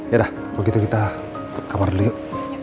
yaudah begitu kita ke kamar dulu yuk